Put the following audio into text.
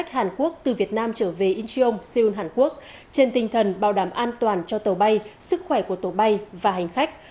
hàn quốc từ việt nam trở về incheon seoul hàn quốc trên tinh thần bảo đảm an toàn cho tàu bay sức khỏe của tổ bay và hành khách